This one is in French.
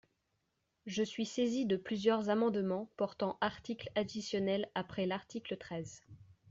Je suis saisi de plusieurs amendements portant articles additionnels après l’article treize.